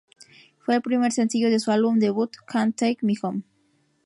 Fue el primer sencillo de su álbum debut "Can't Take Me Home".